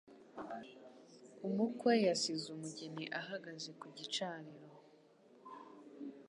Umukwe yasize umugeni ahagaze ku gicaniro.